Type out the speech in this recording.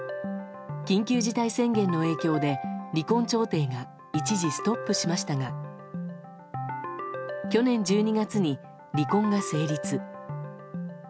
緊急事態の影響で、離婚調停が一時ストップしましたが去年１２月に離婚が成立。